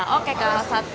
oke kak satu